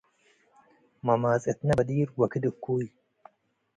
መማጽእትነ በዲር ወክድ እኩይ